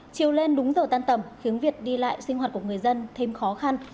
chiều lên đúng giờ tan tầm khiến việc đi lại sinh hoạt của người dân thêm khó khăn